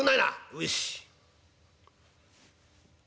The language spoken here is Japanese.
「よし」。